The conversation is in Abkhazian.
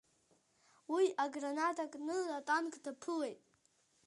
Уи аграната кны атанк даԥылеит.